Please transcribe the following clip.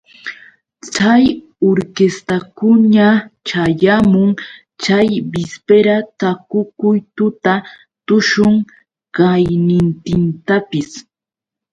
Chay urkistakunaña ćhayamun chay bispira ta tukuy tuta tushun qaynintintapis.